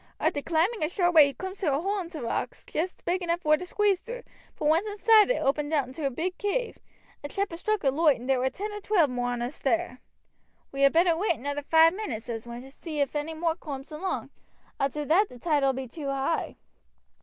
Arter climbing a short way he cooms to a hole i' rocks, joost big enough vor to squeeze through, but once inside it opened out into a big cave. A chap had struck a loight, and there war ten or twelve more on us thar. 'We had better wait another five minutes,' says one, 'to see if any more cooms along. Arter that the tide ull be too high.'